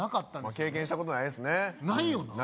経験したことないですねないよな？